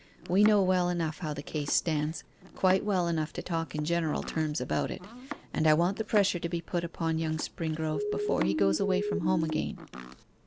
We know well enough how the case stands quite well enough to talk in general terms about it. And I want the pressure to be put upon young Springrove before he goes away from home again.